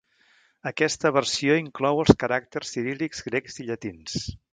Aquesta versió inclou els caràcters ciríl·lics, grecs i llatins.